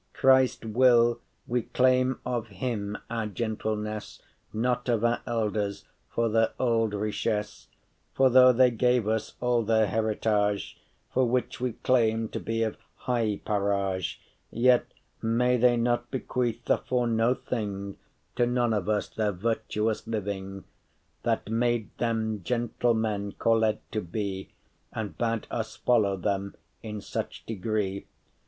Christ will,* we claim of him our gentleness, *wills, requires Not of our elders* for their old richess. *ancestors For though they gave us all their heritage, For which we claim to be of high parage,* *birth, descent Yet may they not bequeathe, for no thing, To none of us, their virtuous living That made them gentlemen called to be, And bade us follow them in such degree.